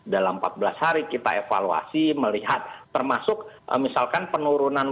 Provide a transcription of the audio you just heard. dalam empat belas hari kita evaluasi melihat termasuk misalkan penurunan